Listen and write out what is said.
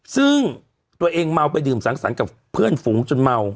ซึ่งตัวเองเมาไปดื่มสังสรรค์กับเพื่อนฝูงจนเมา